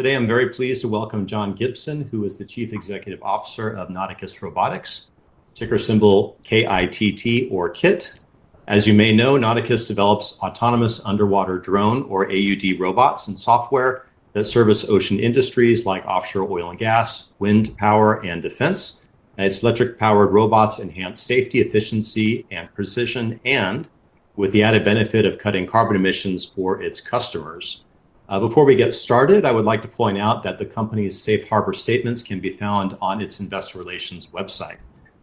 Today, I'm very pleased to welcome John Gibson, who is the Chief Executive Officer of Nauticus Robotics, ticker symbol KITT. As you may know, Nauticus develops autonomous underwater drone or AUD robots and software that service ocean industries like offshore oil and gas, wind power, and defense. Its electric-powered robots enhance safety, efficiency, and precision, with the added benefit of cutting carbon emissions for its customers. Before we get started, I would like to point out that the company's safe harbor statements can be found on its investor relations website.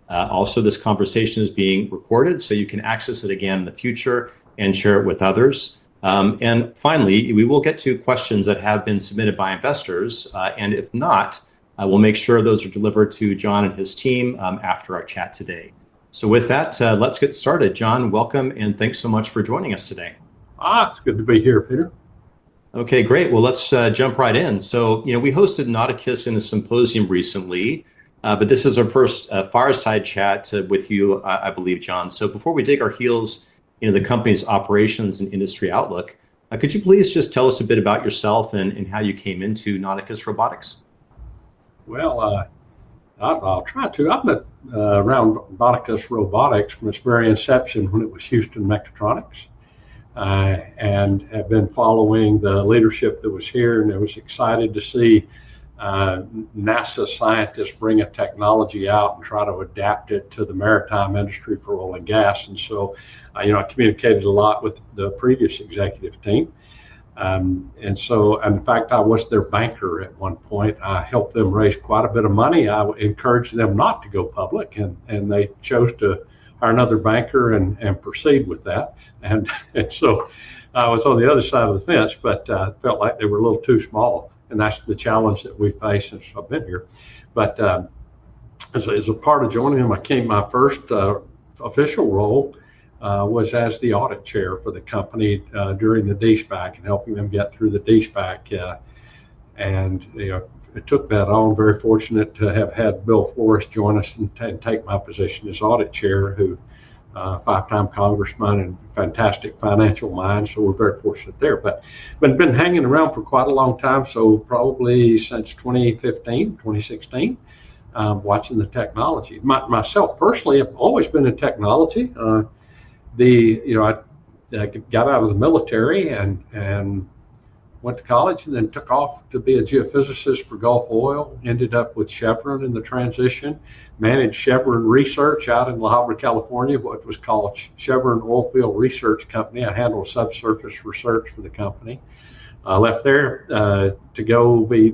Also, this conversation is being recorded so you can access it again in the future and share it with others. Finally, we will get to questions that have been submitted by investors, and if not, we'll make sure those are delivered to John and his team after our chat today. With that, let's get started. John, welcome, and thanks so much for joining us today. It's good to be here, Peter. Okay, great. Let's jump right in. You know, we hosted Nauticus Robotics in a symposium recently, but this is our first fireside chat with you, I believe, John. Before we dig our heels into the company's operations and industry outlook, could you please just tell us a bit about yourself and how you came into Nauticus Robotics? I'll try to. I've been around Nauticus Robotics from its very inception when it was Houston Mechatronics and have been following the leadership that was here, and I was excited to see NASA scientists bring a technology out and try to adapt it to the maritime industry for oil and gas. You know, I communicated a lot with the previous executive team. In fact, I was their banker at one point. I helped them raise quite a bit of money. I encouraged them not to go public, and they chose to hire another banker and proceed with that. I was on the other side of the fence, but I felt like they were a little too small, and that's the challenge that we face since I've been here. As a part of joining them, my first official role was as the Audit Chair for the company during the de-spike and helping them get through the de-spike. I took that on. I'm very fortunate to have had Bill Forrest join us and take my position as Audit Chair, who is a five-time congressman and a fantastic financial mind. We're very fortunate there. I've been hanging around for quite a long time, so probably since 2015, 2016, watching the technology. Myself personally, I've always been in technology. I got out of the military and went to college and then took off to be a geophysicist for Gulf Oil, ended up with Chevron in the transition, managed Chevron Research out in La Habra, California, which was called Chevron Oilfield Research Company. I handled subsurface research for the company. I left there to go be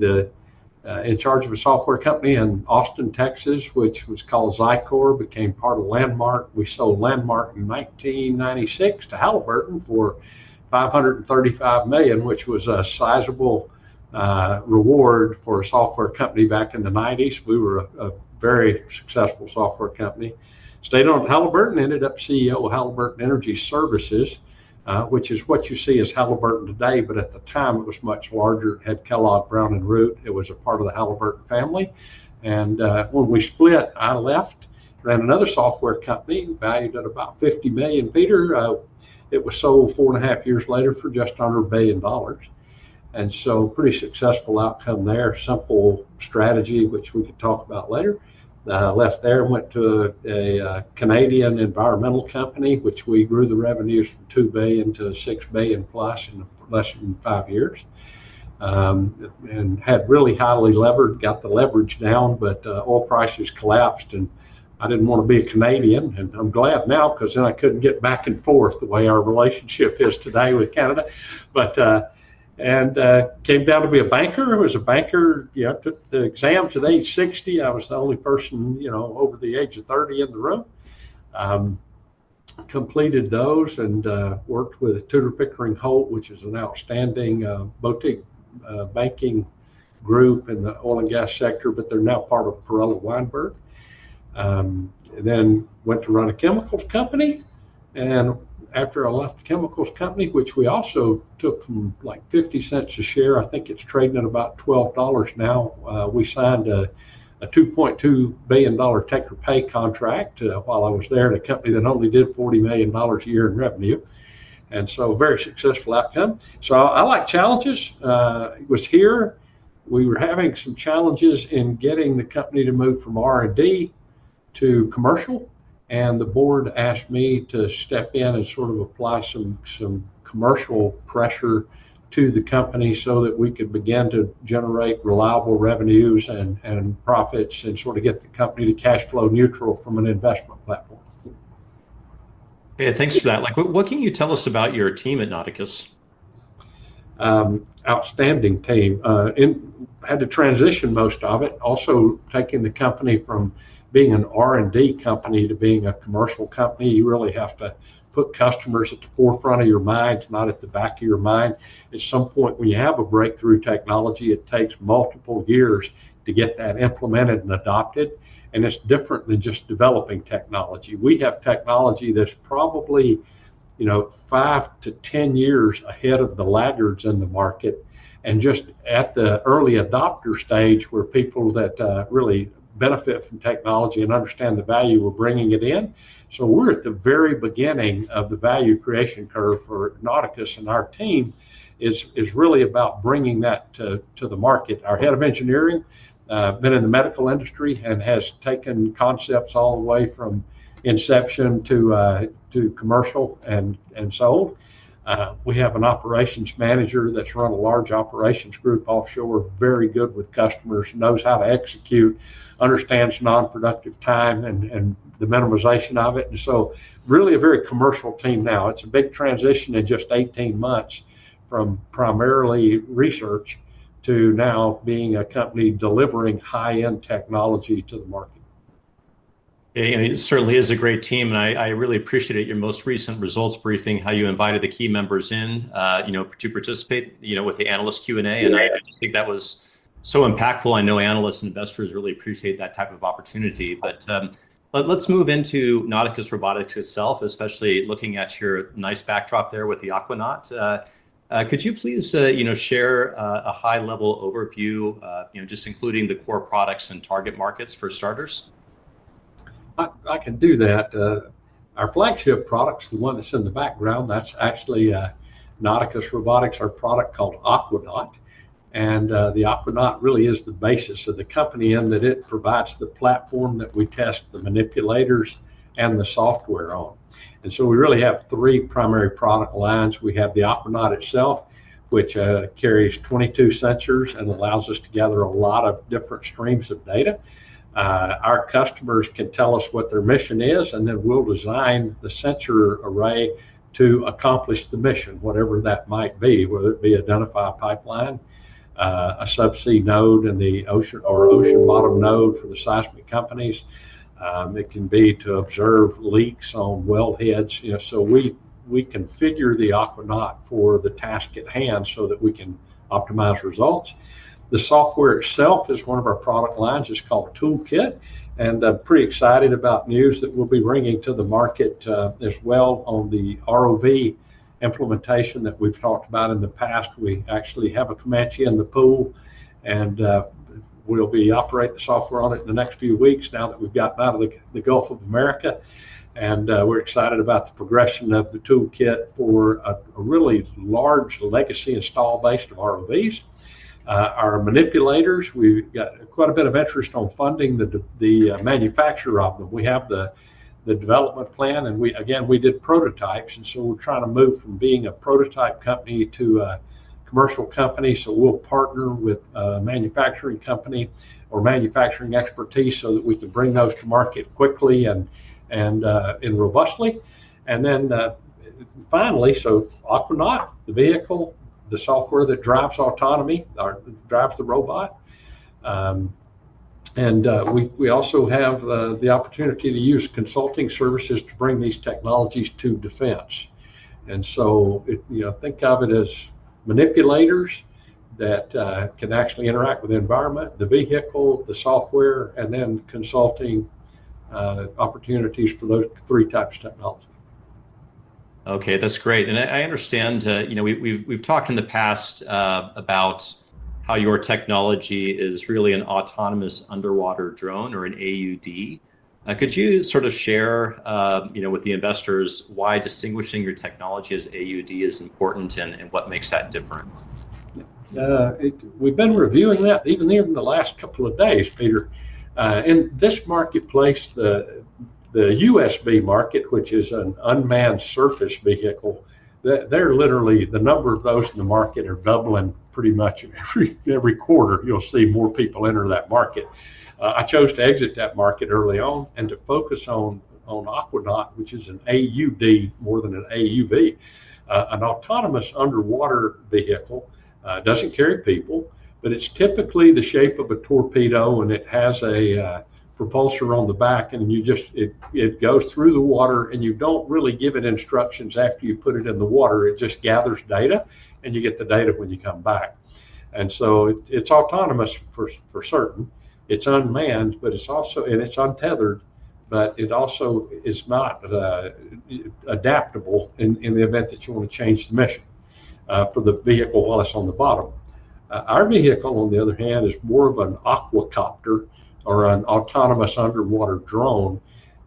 in charge of a software company in Austin, Texas, which was called Zycore. It became part of Landmark. We sold Landmark in 1996 to Halliburton for $535 million, which was a sizable reward for a software company back in the '90s. We were a very successful software company. Stayed on Halliburton, ended up CEO of Halliburton Energy Services, which is what you see as Halliburton today, but at the time, it was much larger. It had Kellogg, Brown, and Root. It was a part of the Halliburton family. When we split, I left and ran another software company valued at about $50 million, Peter. It was sold four and a half years later for just under $1 billion. A pretty successful outcome there, simple strategy, which we could talk about later. I left there and went to a Canadian environmental company, which we grew the revenues from $2 billion-$6 billion plus in less than five years. I had really highly levered, got the leverage down, but oil prices collapsed. I didn't want to be a Canadian. I'm glad now because then I couldn't get back and forth the way our relationship is today with Canada. I came down to be a banker. I was a banker. I took the exams at age 60. I was the only person over the age of 30 in the room. Completed those and worked with Tudor Pickering Holt, which is an outstanding boutique banking group in the oil and gas sector, but they're now part of Perella Weinberg. I went to run a chemicals company. After I left the chemicals company, which we also took from $0.50 a share, I think it's trading at about $12 now, we signed a $2.2 billion take-or-pay contract while I was there at a company that only did $40 million a year in revenue. A very successful outcome. I like challenges. It was here. We were having some challenges in getting the company to move from R&D to commercial, and the board asked me to step in and sort of apply some commercial pressure to the company so that we could begin to generate reliable revenues and profits and sort of get the company to cash flow neutral from an investment platform. Yeah, thanks for that. What can you tell us about your team at Nauticus? Outstanding team. Had to transition most of it. Also, taking the company from being an R&D company to being a commercial company, you really have to put customers at the forefront of your mind, not at the back of your mind. At some point, when you have a breakthrough technology, it takes multiple years to get that implemented and adopted. It is different than just developing technology. We have technology that's probably, you know, five to ten years ahead of the laggards in the market and just at the early adopter stage where people that really benefit from technology and understand the value of bringing it in. We are at the very beginning of the value creation curve for Nauticus and our team is really about bringing that to the market. Our Head of Engineering has been in the medical industry and has taken concepts all the way from inception to commercial and sold. We have an Operations Manager that's run a large operations group offshore, very good with customers, knows how to execute, understands non-productive time and the minimization of it. Really a very commercial team now. It's a big transition in just 18 months from primarily research to now being a company delivering high-end technology to the market. Yeah, I mean, it certainly is a great team, and I really appreciated your most recent results briefing, how you invited the key members in to participate with the analyst Q&A. I just think that was so impactful. I know analysts and investors really appreciate that type of opportunity. Let's move into Nauticus Robotics itself, especially looking at your nice backdrop there with the Aquanaut. Could you please share a high-level overview, just including the core products and target markets for starters? I can do that. Our flagship products, the one that's in the background, that's actually Nauticus Robotics, our product called Aquanaut. The Aquanaut really is the basis of the company in that it provides the platform that we test the manipulators and the software on. We really have three primary product lines. We have the Aquanaut itself, which carries 22 sensors and allows us to gather a lot of different streams of data. Our customers can tell us what their mission is, and then we'll design the sensor array to accomplish the mission, whatever that might be, whether it be identify a pipeline, a subsea node, and the ocean or ocean bottom node for the seismic companies. It can be to observe leaks on well heads. We configure the Aquanaut for the task at hand so that we can optimize results. The software itself is one of our product lines. It's called ToolKITT. I'm pretty excited about news that we'll be bringing to the market as well on the ROV implementation that we've talked about in the past. We actually have a Comanche in the pool, and we'll be operating the software on it in the next few weeks now that we've gotten out of the Gulf of America. We're excited about the progression of the ToolKITT for a really large legacy install base of ROVs. Our manipulators, we've got quite a bit of interest on funding the manufacture of them. We have the development plan, and we did prototypes. We're trying to move from being a prototype company to a commercial company. We’ll partner with a manufacturing company or manufacturing expertise so that we can bring those to market quickly and robustly. Finally, Aquanaut, the vehicle, the software that drives autonomy, drives the robot. We also have the opportunity to use consulting services to bring these technologies to defense. Think of it as manipulators that can actually interact with the environment, the vehicle, the software, and then consulting opportunities for those three types of technology. Okay, that's great. I understand we've talked in the past about how your technology is really an autonomous underwater drone or an AUD. Could you sort of share with the investors why distinguishing your technology as AUD is important and what makes that different? We've been reviewing that even in the last couple of days, Peter. In this marketplace, the USV market, which is an unmanned surface vehicle, they're literally, the number of those in the market are doubling pretty much every quarter. You'll see more people enter that market. I chose to exit that market early on and to focus on Aquanaut, which is an AUD more than an AUV, an autonomous underwater vehicle. It doesn't carry people, but it's typically the shape of a torpedo, and it has a propulsor on the back, and you just, it goes through the water, and you don't really give it instructions after you put it in the water. It just gathers data, and you get the data when you come back. It's autonomous for certain. It's unmanned, but it's also, and it's untethered, but it also is not adaptable in the event that you want to change the mission for the vehicle while it's on the bottom. Our vehicle, on the other hand, is more of an aquacopter or an autonomous underwater drone.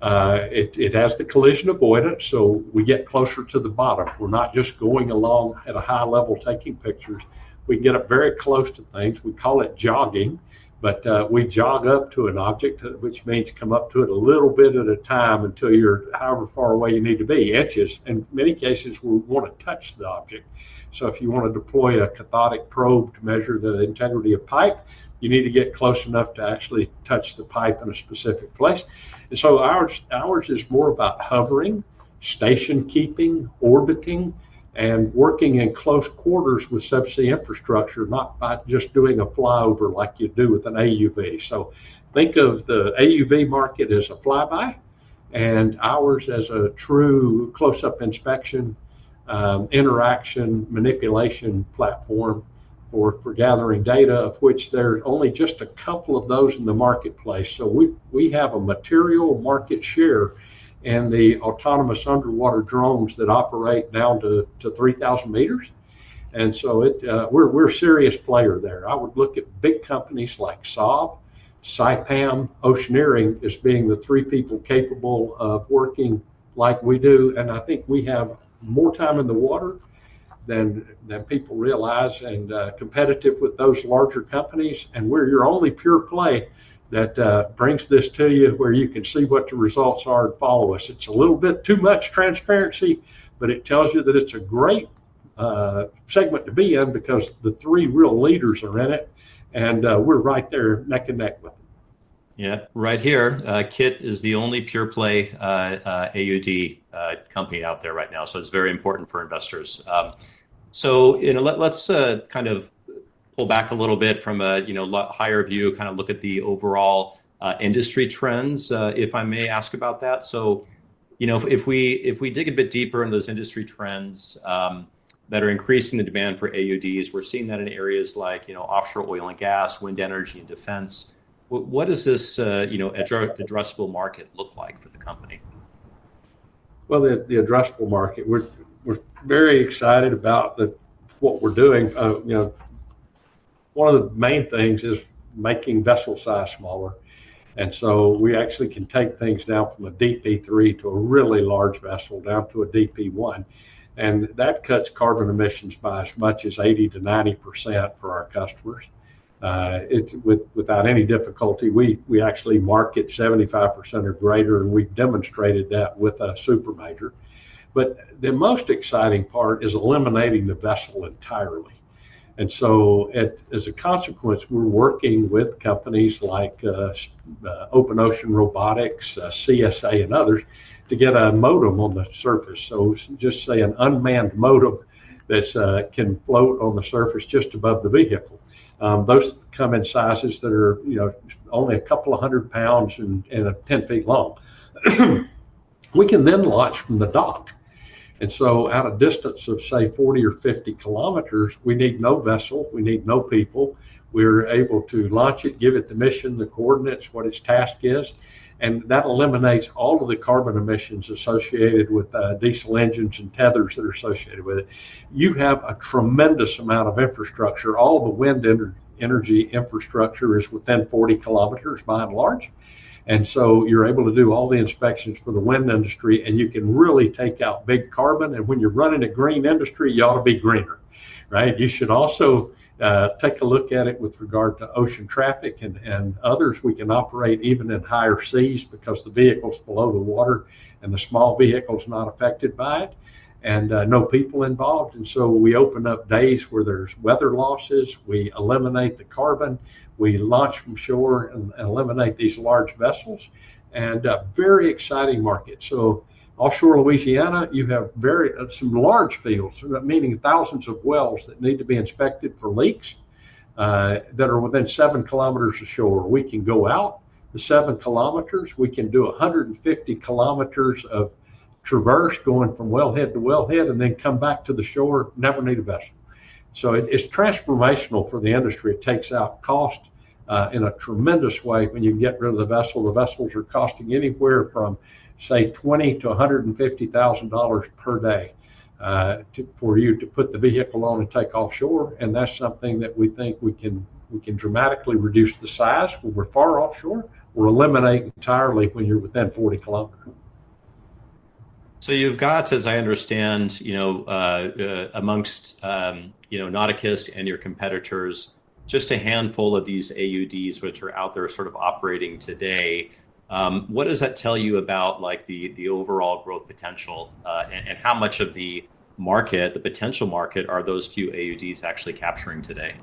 It has the collision avoidance, so we get closer to the bottom. We're not just going along at a high level taking pictures. We can get up very close to things. We call it jogging, but we jog up to an object, which means come up to it a little bit at a time until you're however far away you need to be, inches. In many cases, we want to touch the object. If you want to deploy a cathodic probe to measure the integrity of pipe, you need to get close enough to actually touch the pipe in a specific place. Ours is more about hovering, station keeping, orbiting, and working in close quarters with subsea infrastructure, not by just doing a flyover like you do with an AUV. Think of the AUV market as a flyby and ours as a true close-up inspection, interaction, manipulation platform for gathering data, of which there are only just a couple of those in the marketplace. We have a material market share in the autonomous underwater drones that operate down to 3,000 meters. We're a serious player there. I would look at big companies like Saab, Saipem, Oceaneering as being the three people capable of working like we do. I think we have more time in the water than people realize and competitive with those larger companies. We're your only pure play that brings this to you where you can see what the results are and follow us. It's a little bit too much transparency, but it tells you that it's a great segment to be in because the three real leaders are in it, and we're right there neck and neck with them. Yeah, right here. KITT is the only pure play AUD company out there right now. It's very important for investors. Let's pull back a little bit from a higher view, kind of look at the overall industry trends, if I may ask about that. If we dig a bit deeper into those industry trends that are increasing the demand for AUDs, we're seeing that in areas like offshore oil and gas, wind energy, and defense. What does this addressable market look like for the company? The addressable market, we're very excited about what we're doing. One of the main things is making vessel size smaller. We actually can take things down from a DP3, a really large vessel, down to a DP1. That cuts carbon emissions by as much as 80%-90% for our customers without any difficulty. We actually mark it 75% or greater, and we've demonstrated that with a super major. The most exciting part is eliminating the vessel entirely. As a consequence, we're working with companies like Open Ocean Robotics, CSA, and others to get a modem on the surface. Just say an unmanned modem that can float on the surface just above the vehicle. Those come in sizes that are only a couple of hundred pounds and 10 feet long. We can then launch from the dock. At a distance of say 40 or 50km, we need no vessel, we need no people. We're able to launch it, give it the mission, the coordinates, what its task is. That eliminates all of the carbon emissions associated with diesel engines and tethers that are associated with it. You have a tremendous amount of infrastructure. All of the wind energy infrastructure is within 40km by and large. You're able to do all the inspections for the wind industry, and you can really take out big carbon. When you're running a green industry, you ought to be greener. You should also take a look at it with regard to ocean traffic and others. We can operate even in higher seas because the vehicle's below the water and the small vehicle's not affected by it and no people involved. We open up days where there's weather losses. We eliminate the carbon. We launch from shore and eliminate these large vessels. A very exciting market. Offshore Louisiana, you have some very large fields, meaning thousands of wells that need to be inspected for leaks that are within seven kilometers of shore. We can go out the seven kilometers. We can do 150km of traverse going from well head to well head and then come back to the shore, never need a vessel. It's transformational for the industry. It takes out cost in a tremendous way when you get rid of the vessel. The vessels are costing anywhere from say $20,000-$150,000 per day for you to put the vehicle on and take offshore. That's something that we think we can dramatically reduce the size when we're far offshore or eliminate entirely when you're within 40km. You've got, as I understand, amongst Nauticus Robotics and your competitors, just a handful of these AUDs which are out there operating today. What does that tell you about the overall growth potential, and how much of the market, the potential market, are those two AUDs actually capturing today?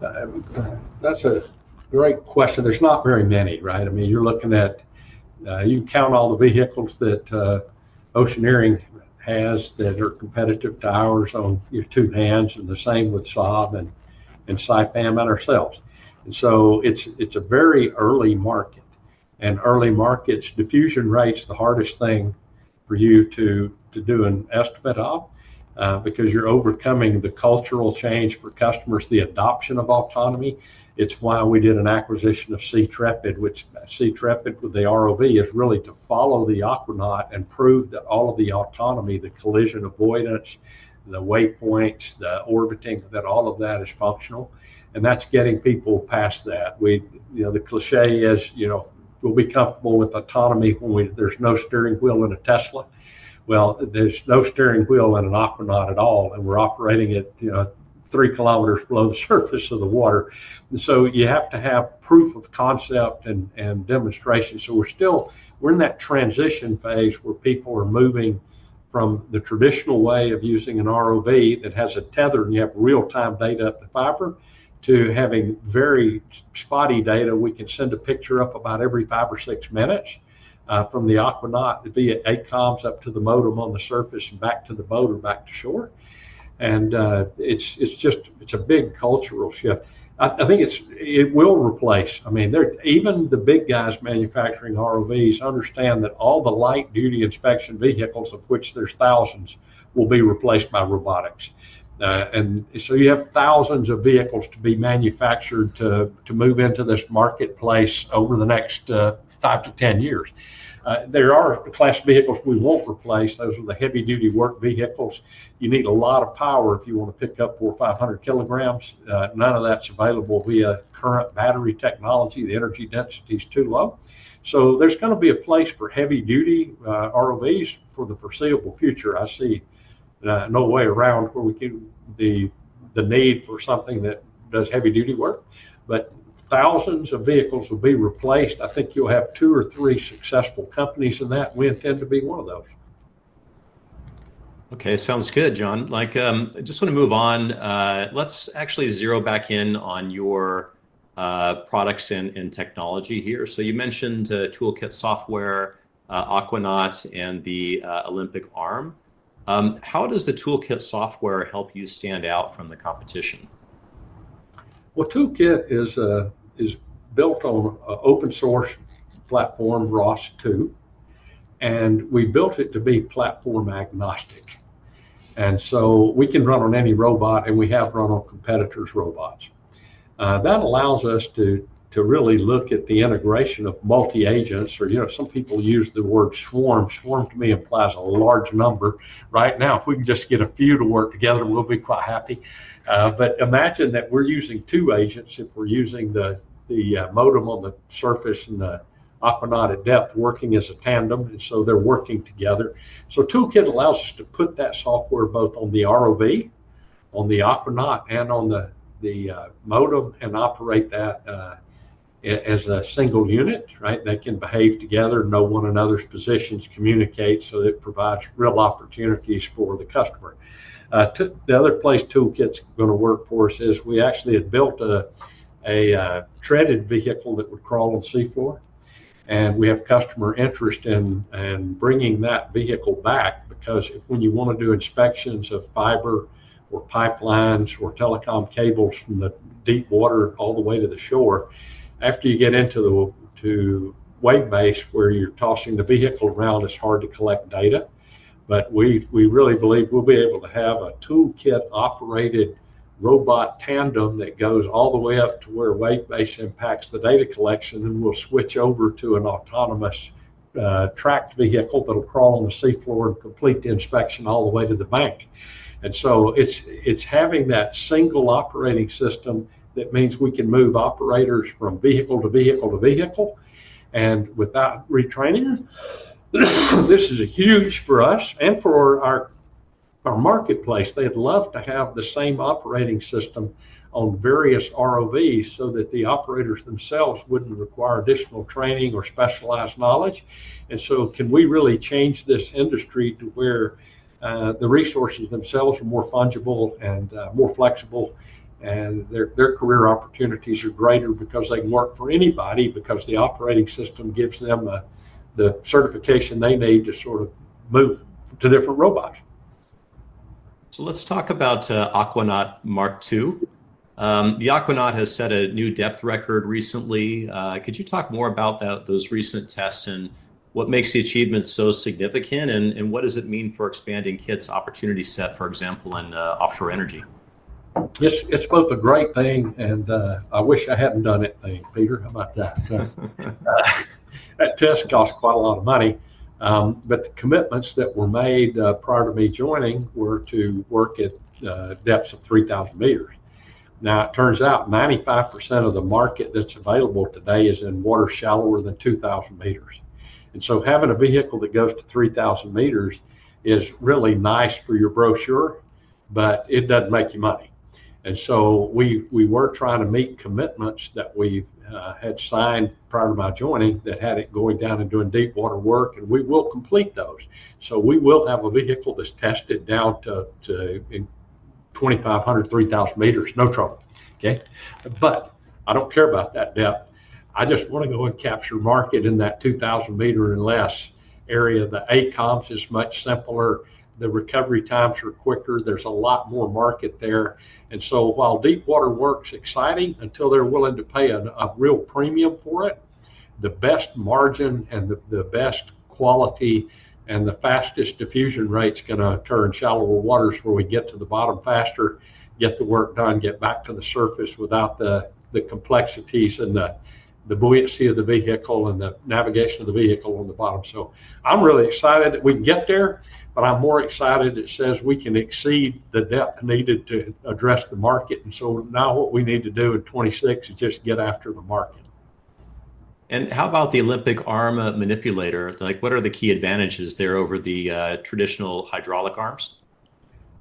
That's a great question. There's not very many, right? I mean, you're looking at, you can count all the vehicles that Oceaneering has that are competitive to ours on two hands and the same with Saab and Saipem and ourselves. It's a very early market. In early markets, diffusion rate's the hardest thing for you to do an estimate of because you're overcoming the cultural change for customers, the adoption of autonomy. It's why we did an acquisition of SeaTrepid. SeaTrepid, the ROV, is really to follow the Aquanaut and prove that all of the autonomy, the collision avoidance, the waypoints, the orbiting, that all of that is functional. That's getting people past that. The cliché is, you know, we'll be comfortable with autonomy when there's no steering wheel in a Tesla. There's no steering wheel in an Aquanaut at all, and we're operating at, you know, three km below the surface of the water. You have to have proof of concept and demonstration. We're still in that transition phase where people are moving from the traditional way of using an ROV that has a tether and you have real-time data up to fiber to having very spotty data. We can send a picture up about every five or six minutes from the Aquanaut via comms up to the modem on the surface and back to the boat or back to shore. It's just, it's a big cultural shift. I think it will replace. Even the big guys manufacturing ROVs understand that all the light duty inspection vehicles, of which there's thousands, will be replaced by robotics. You have thousands of vehicles to be manufactured to move into this marketplace over the next five to ten years. There are class vehicles we won't replace. Those are the heavy-duty work vehicles. You need a lot of power if you want to pick up four or five hundred kgs. None of that's available via current battery technology. The energy density is too low. There's going to be a place for heavy-duty ROVs for the foreseeable future. I see no way around where we can meet the need for something that does heavy-duty work. Thousands of vehicles will be replaced. I think you'll have two or three successful companies in that. We intend to be one of those. Okay, sounds good, John. I just want to move on. Let's actually zero back in on your products and technology here. You mentioned Toolkit software, Aquanaut, and the Olympic Arm. How does the Toolkit software help you stand out from the competition? Toolkit is built on an open-source platform, ROS 2, and we built it to be platform-agnostic. We can run on any robot, and we have run on competitors' robots. That allows us to really look at the integration of multi-agents, or you know, some people use the word swarm. Swarm to me implies a large number. Right now, if we can just get a few to work together, we'll be quite happy. Imagine that we're using two agents if we're using the modem on the surface and the Aquanaut at depth working as a tandem. They're working together. Toolkit allows us to put that software both on the ROV, on the Aquanaut, and on the modem and operate that as a single unit. They can behave together, know one another's positions, communicate, so it provides real opportunities for the customer. The other place Toolkit's going to work for us is we actually had built a treaded vehicle that would crawl on seafloor. We have customer interest in bringing that vehicle back because when you want to do inspections of fiber or pipelines or telecom cables from the deep water all the way to the shore, after you get into the wave base where you're tossing the vehicle around, it's hard to collect data. We really believe we'll be able to have a Toolkit-operated robot tandem that goes all the way up to where wave base impacts the data collection, and we'll switch over to an autonomous tracked vehicle that'll crawl on the seafloor and complete the inspection all the way to the bank. It's having that single operating system that means we can move operators from vehicle to vehicle to vehicle. Without retraining, this is huge for us and for our marketplace. They'd love to have the same operating system on various ROVs so that the operators themselves wouldn't require additional training or specialized knowledge. Can we really change this industry to where the resources themselves are more fungible and more flexible, and their career opportunities are greater because they can work for anybody because the operating system gives them the certification they need to sort of move to different robots. Let's talk about Aquanaut Mark II. The Aquanaut has set a new depth record recently. Could you talk more about those recent tests and what makes the achievement so significant, and what does it mean for expanding KITT's opportunity set, for example, in offshore energy? It's both a great thing, and I wish I hadn't done it, Peter. How about that? That test cost quite a lot of money. The commitments that were made prior to me joining were to work at depths of 3,000m. It turns out 95% of the market that's available today is in water shallower than 2,000m. Having a vehicle that goes to 3,000 meters is really nice for your brochure, but it doesn't make you money. We were trying to meet commitments that we've had signed prior to my joining that had it going down and doing deep water work, and we will complete those. We will have a vehicle that's tested down to 2,500, 3,000m, no trouble. Okay? I don't care about that depth. I just want to go and capture market in that 2,000m and less area. The eight comms is much simpler. The recovery times are quicker. There's a lot more market there. While deep water work's exciting, until they're willing to pay a real premium for it, the best margin and the best quality and the fastest diffusion rate's going to turn shallower waters where we get to the bottom faster, get the work done, get back to the surface without the complexities and the buoyancy of the vehicle and the navigation of the vehicle on the bottom. I'm really excited that we can get there, but I'm more excited it says we can exceed the depth needed to address the market. Now what we need to do in 2026 is just get after the market. How about the Olympic Arm manipulator? What are the key advantages there over the traditional hydraulic arms?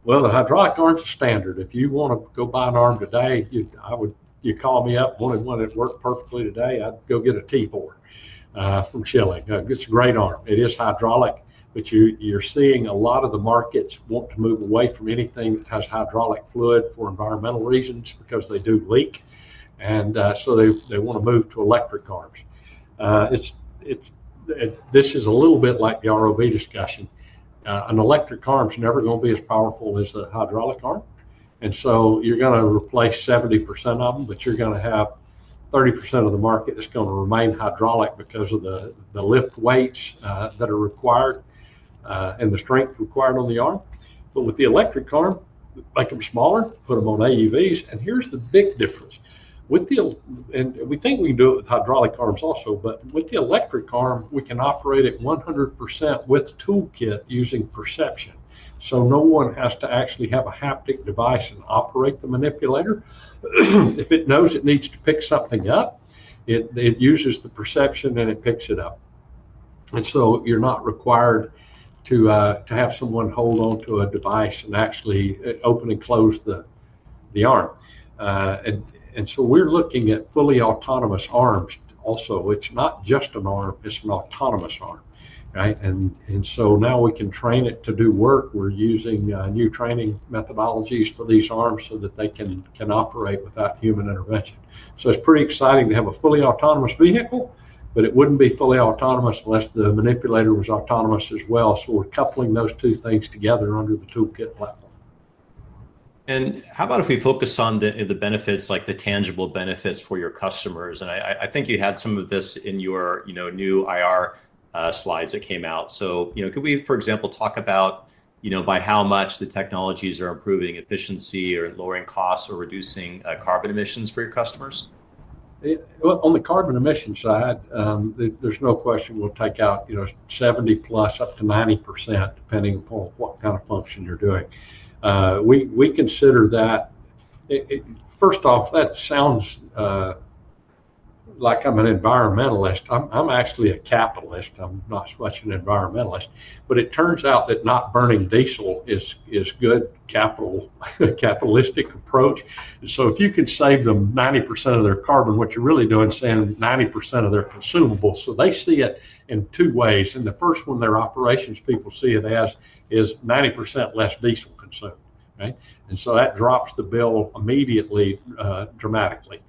The hydraulic arms are standard. If you want to go buy an arm today, you'd call me up, wanted one that worked perfectly today, I'd go get a T4 from Schilling. It's a great arm. It is hydraulic, but you're seeing a lot of the markets want to move away from anything that has hydraulic fluid for environmental reasons because they do leak. They want to move to electric arms. This is a little bit like the ROV discussion. An electric arm's never going to be as powerful as a hydraulic arm. You're going to replace 70% of them, but you're going to have 30% of the market that's going to remain hydraulic because of the lift weights that are required and the strength required on the arm. With the electric arm, make them smaller, put them on AUVs. Here's the big difference. We think we can do it with hydraulic arms also, but with the electric arm, we can operate it 100% with Toolkit using perception. No one has to actually have a haptic device and operate the manipulator. If it knows it needs to pick something up, it uses the perception and it picks it up. You're not required to have someone hold onto a device and actually open and close the arm. We're looking at fully autonomous arms also. It's not just an arm. It's an autonomous arm, right? Now we can train it to do work. We're using new training methodologies for these arms so that they can operate without human intervention. It's pretty exciting to have a fully autonomous vehicle, but it wouldn't be fully autonomous unless the manipulator was autonomous as well. We're coupling those two things together under the Toolkit platform. If we focus on the benefits, like the tangible benefits for your customers, I think you had some of this in your new IR slides that came out. Could we, for example, talk about by how much the technologies are improving efficiency or lowering costs or reducing carbon emissions for your customers? On the carbon emission side, there's no question we'll take out, you know, 70% plus up to 90% depending upon what kind of function you're doing. We consider that, first off, that sounds like I'm an environmentalist. I'm actually a capitalist. I'm not so much an environmentalist. It turns out that not burning diesel is a good capitalistic approach. If you can save them 90% of their carbon, what you're really doing is saving them 90% of their consumables. They see it in two ways. The first one their operations people see is 90% less diesel consumed, and that drops the bill immediately, dramatically.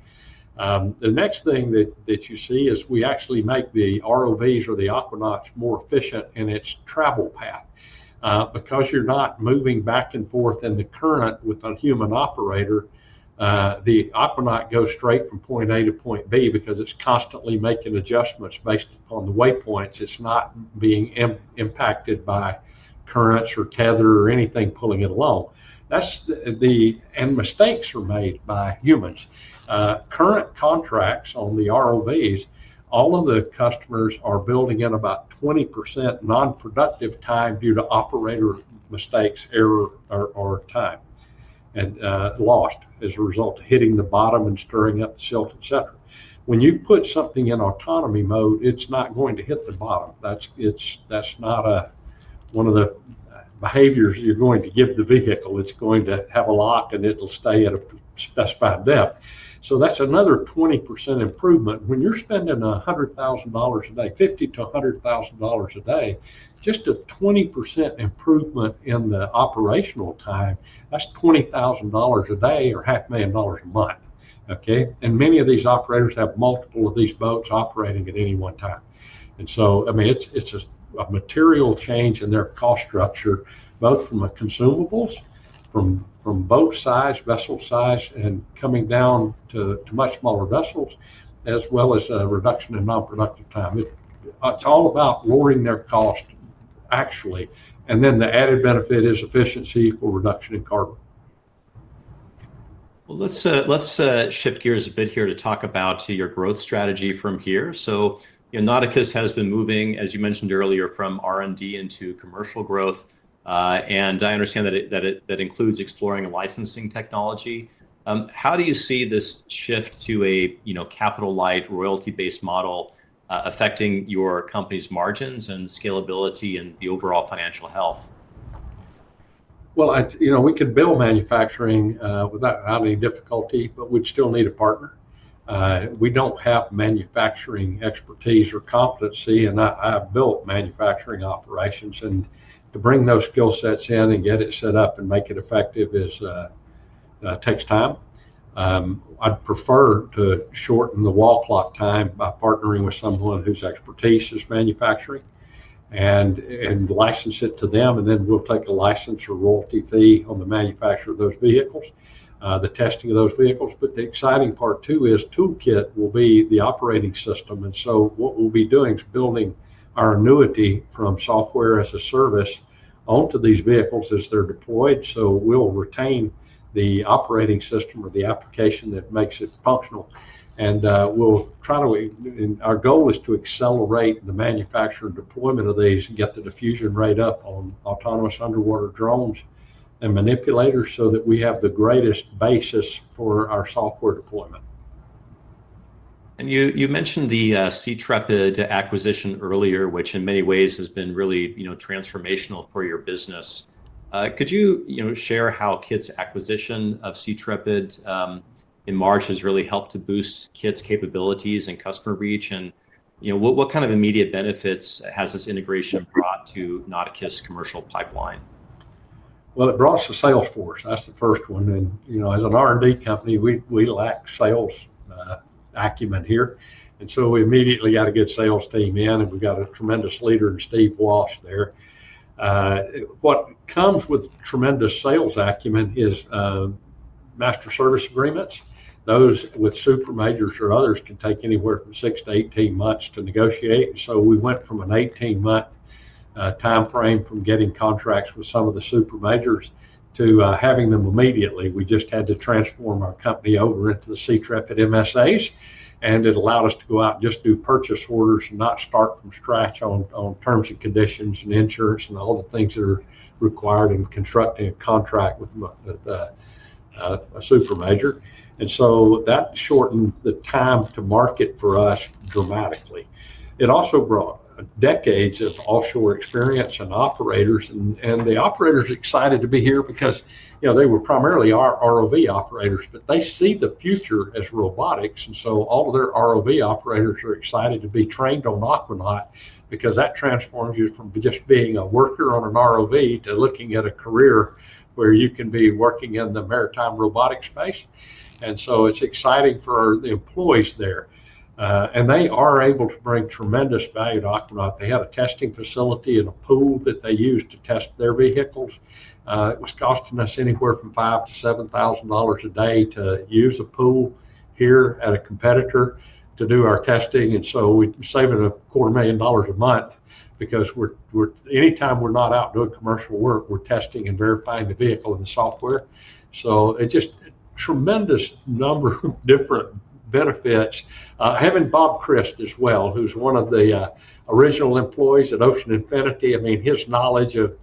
The next thing that you see is we actually make the ROVs or the Aquanauts more efficient in its travel path. Because you're not moving back and forth in the current with a human operator, the Aquanaut goes straight from point A to point B because it's constantly making adjustments based upon the waypoints. It's not being impacted by currents or tether or anything pulling it along. Mistakes are made by humans. Current contracts on the ROVs, all of the customers are building in about 20% non-productive time due to operator mistakes, error, or time lost as a result of hitting the bottom and stirring up the silt, et cetera. When you put something in autonomy mode, it's not going to hit the bottom. That's not one of the behaviors that you're going to give the vehicle. It's going to have a lock and it'll stay at a specified depth. That's another 20% improvement. When you're spending $100,000 a day, $50,000-$100,000 a day, just a 20% improvement in the operational time, that's $20,000 a day or half a million dollars a month. Many of these operators have multiple of these boats operating at any one time. It's a material change in their cost structure, both from consumables, from boat size, vessel size, and coming down to much smaller vessels, as well as a reduction in non-productive time. It's all about lowering their cost, actually. The added benefit is efficiency equal reduction in carbon. Let's shift gears a bit here to talk about your growth strategy from here. You know, Nauticus Robotics has been moving, as you mentioned earlier, from R&D into commercial growth. I understand that includes exploring and licensing technology. How do you see this shift to a capital-light, royalty-based model affecting your company's margins and scalability and the overall financial health? You know, we could build manufacturing without any difficulty, but we'd still need a partner. We don't have manufacturing expertise or competency, and I've built manufacturing operations. To bring those skill sets in and get it set up and make it effective takes time. I'd prefer to shorten the wall clock time by partnering with someone whose expertise is manufacturing and license it to them. We'll take a license or royalty fee on the manufacturer of those vehicles, the testing of those vehicles. The exciting part, too, is Toolkit will be the operating system. What we'll be doing is building our annuity from software as a service onto these vehicles as they're deployed. We'll retain the operating system or the application that makes it functional. Our goal is to accelerate the manufacturing deployment of these and get the diffusion rate up on autonomous underwater drones and manipulators so that we have the greatest basis for our software deployment. You mentioned the SeaTrepid acquisition earlier, which in many ways has been really transformational for your business. Could you share how Nauticus Robotics' acquisition of SeaTrepid in March has really helped to boost Nauticus Robotics' capabilities and customer reach? What kind of immediate benefits has this integration brought to Nauticus Robotics' commercial pipeline? It brought us a sales force. That's the first one. As an R&D company, we lack sales acumen here. We immediately got a good sales team in, and we've got a tremendous leader in Steve Walsh there. What comes with tremendous sales acumen is master service agreements. Those with super majors or others can take anywhere from six to 18 months to negotiate. We went from an 18-month timeframe from getting contracts with some of the super majors to having them immediately. We just had to transform our company over into the SeaTrepid master service agreements. It allowed us to go out and just do purchase orders and not start from scratch on terms and conditions and insurance and all the things that are required in constructing a contract with a super major. That shortened the time to market for us dramatically. It also brought decades of offshore experience and operators. The operators are excited to be here because they were primarily our ROV operators, but they see the future as robotics. All of their ROV operators are excited to be trained on Aquanaut because that transforms you from just being a worker on an ROV to looking at a career where you can be working in the maritime robotics space. It's exciting for the employees there. They are able to bring tremendous value to Aquanaut. They had a testing facility and a pool that they used to test their vehicles. It was costing us anywhere from $5,000-$7,000 a day to use a pool here at a competitor to do our testing. We're saving a quarter million dollars a month because anytime we're not out doing commercial work, we're testing and verifying the vehicle and the software. It's just a tremendous number of different benefits. Having Bob Christ as well, who's one of the original employees at Ocean Infinity, his knowledge of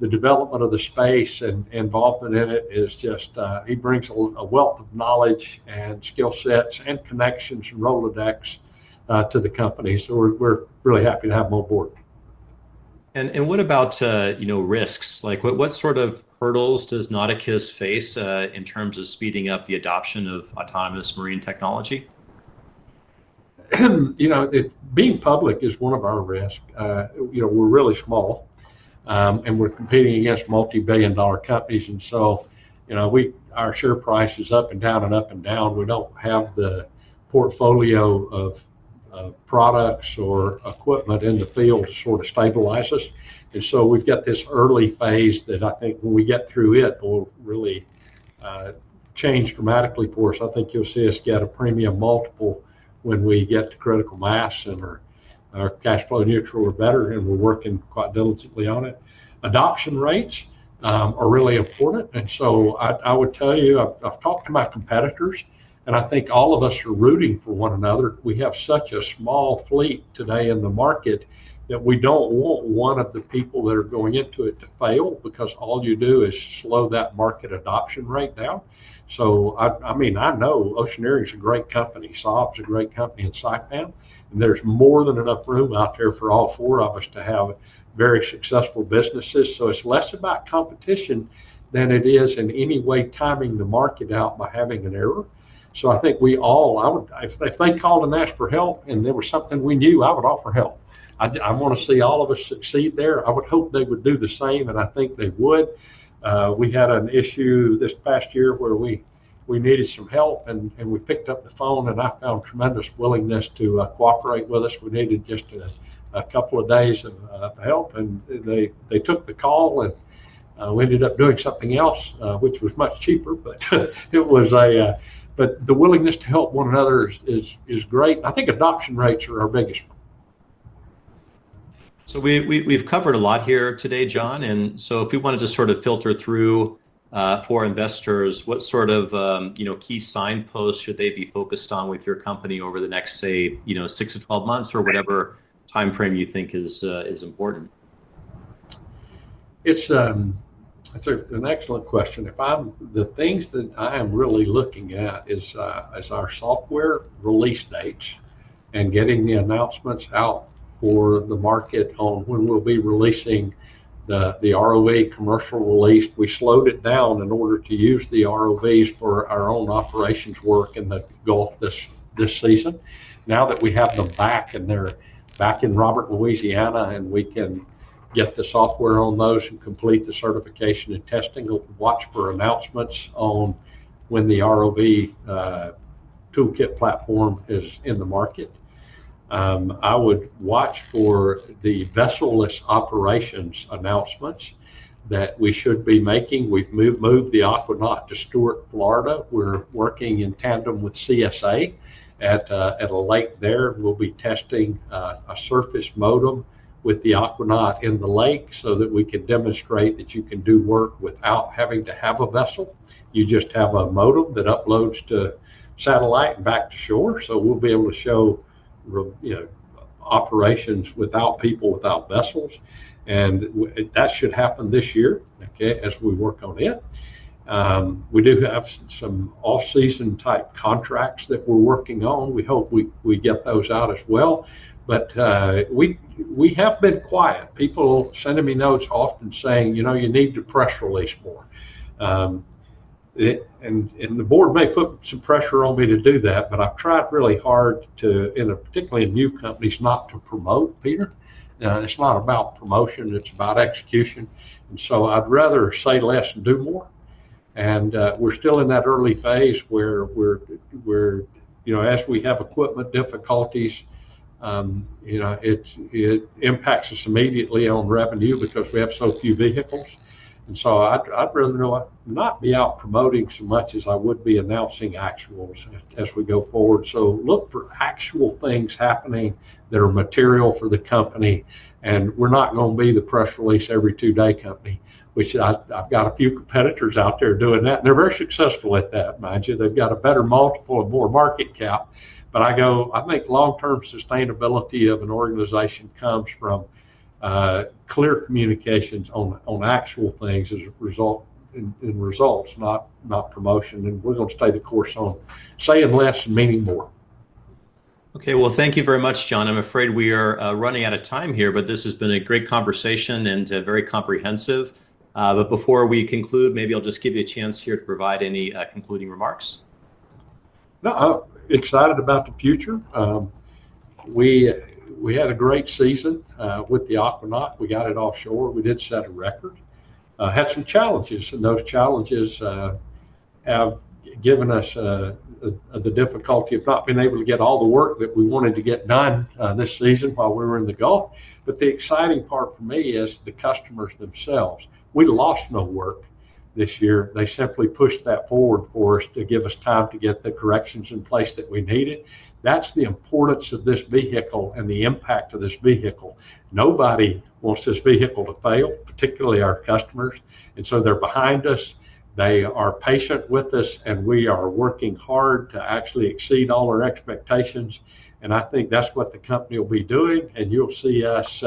the development of the space and involvement in it is just, he brings a wealth of knowledge and skill sets and connections and Rolodex to the company. We're really happy to have him on board. What about, you know, risks? What sort of hurdles does Nauticus face in terms of speeding up the adoption of autonomous marine technology? You know, being public is one of our risks. You know, we're really small and we're competing against multi-billion dollar companies. Our share price is up and down and up and down. We don't have the portfolio of products or equipment in the field to sort of stabilize us. We've got this early phase that I think when we get through it, will really change dramatically for us. I think you'll see us get a premium multiple when we get to critical mass and are cash flow neutral or better, and we're working quite diligently on it. Adoption rates are really important. I would tell you, I've talked to my competitors, and I think all of us are rooting for one another. We have such a small fleet today in the market that we don't want one of the people that are going into it to fail because all you do is slow that market adoption rate down. I know Oceaneering's a great company, Saab's a great company, and Saipem, and there's more than enough room out there for all four of us to have very successful businesses. It's less about competition than it is in any way timing the market out by having an error. I think we all, if they called and asked for help and there was something we knew, I would offer help. I want to see all of us succeed there. I would hope they would do the same, and I think they would. We had an issue this past year where we needed some help, and we picked up the phone, and I found tremendous willingness to cooperate with us. We needed just a couple of days of help, and they took the call, and we ended up doing something else, which was much cheaper. The willingness to help one another is great. I think adoption rates are our biggest. We've covered a lot here today, John. If you want to just sort of filter through for investors, what sort of key signposts should they be focused on with your company over the next, say, six to 12 months or whatever timeframe you think is important? It's an excellent question. The things that I am really looking at are our software release dates and getting the announcements out for the market on when we'll be releasing the ROV commercial release. We slowed it down in order to use the ROVs for our own operations work in the Gulf this season. Now that we have them back, and they're back in Robert, Louisiana, and we can get the software on those and complete the certification and testing, we'll watch for announcements on when the ROV Toolkit platform is in the market. I would watch for the vessel-less operations announcements that we should be making. We've moved the Aquanaut to Stuart, Florida. We're working in tandem with CSA at a lake there. We'll be testing a surface modem with the Aquanaut in the lake so that we can demonstrate that you can do work without having to have a vessel. You just have a modem that uploads to satellite and back to shore. We will be able to show operations without people, without vessels. That should happen this year, as we work on it. We do have some off-season type contracts that we're working on. We hope we get those out as well. We have been quiet. People sending me notes often saying, you know, you need to press release more. The board may put some pressure on me to do that, but I've tried really hard to, particularly in new companies, not to promote, Peter. It's not about promotion. It's about execution. I'd rather say less and do more. We're still in that early phase where, as we have equipment difficulties, it impacts us immediately on revenue because we have so few vehicles. I'd rather not be out promoting so much as I would be announcing actuals as we go forward. Look for actual things happening that are material for the company. We're not going to be the press release every two-day company, which I've got a few competitors out there doing that. They're very successful at that, mind you. They've got a better multiple and more market cap. I think long-term sustainability of an organization comes from clear communications on actual things as a result in results, not promotion. We're going to stay the course on saying less and meaning more. Okay, thank you very much, John. I'm afraid we are running out of time here, but this has been a great conversation and very comprehensive. Before we conclude, maybe I'll just give you a chance here to provide any concluding remarks. No, I'm excited about the future. We had a great season with the Aquanaut. We got it offshore. We did set a record. We had some challenges, and those challenges have given us the difficulty of not being able to get all the work that we wanted to get done this season while we were in the Gulf. The exciting part for me is the customers themselves. We lost no work this year. They simply pushed that forward for us to give us time to get the corrections in place that we needed. That's the importance of this vehicle and the impact of this vehicle. Nobody wants this vehicle to fail, particularly our customers. They are behind us. They are patient with us, and we are working hard to actually exceed all our expectations. I think that's what the company will be doing. You'll see us,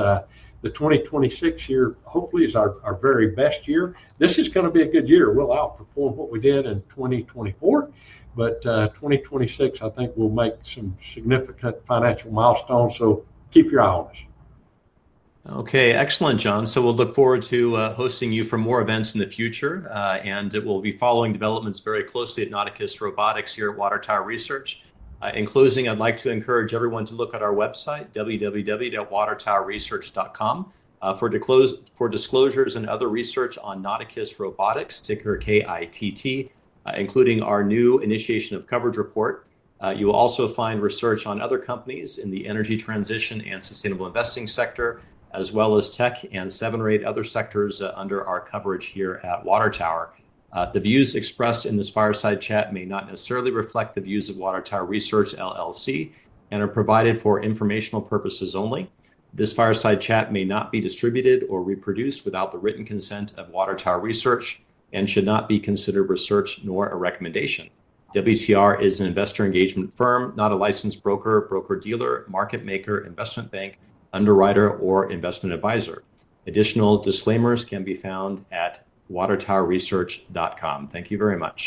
the 2026 year, hopefully is our very best year. This is going to be a good year. We'll outperform what we did in 2024. In 2026, I think we'll make some significant financial milestones. Keep your eye on us. Okay, excellent, John. We'll look forward to hosting you for more events in the future. We'll be following developments very closely at Nauticus Robotics here at Water Tower Research. In closing, I'd like to encourage everyone to look at our website, www.watertowerresearch.com, for disclosures and other research on Nauticus Robotics, ticker KITT, including our new initiation of coverage report. You'll also find research on other companies in the energy transition and sustainable investing sector, as well as tech and seven or eight other sectors under our coverage here at Water Tower. The views expressed in this fireside chat may not necessarily reflect the views of Water Tower Research LLC and are provided for informational purposes only. This fireside chat may not be distributed or reproduced without the written consent of Water Tower Research and should not be considered research nor a recommendation. WTR is an investor engagement firm, not a licensed broker, broker-dealer, market maker, investment bank, underwriter, or investment advisor. Additional disclaimers can be found at watertowerresearch.com. Thank you very much.